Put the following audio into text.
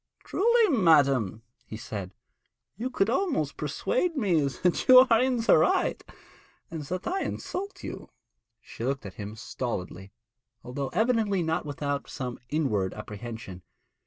'Truly, madam,' he said, 'you could almost persuade me that you are in the right, and that I insult you.' She looked at him stolidly, although evidently not without some inward apprehension.